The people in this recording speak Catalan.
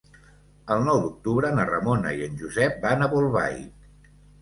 El nou d'octubre na Ramona i en Josep van a Bolbait.